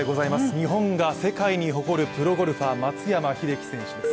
日本が世界に誇るプロゴルファー、松山英樹選手です。